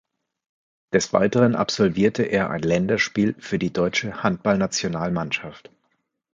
Des Weiteren absolvierte er ein Länderspiel für die Deutsche Handballnationalmannschaft.